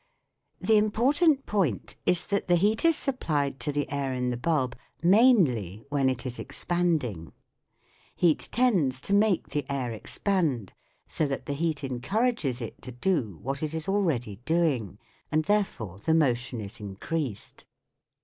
The important point is that the heat is sup plied to the air in the bulb mainly when it is ex panding. Heat tends to make the air expand, so that the heat encourages it to do what it is already doing, and therefore the motion is increased.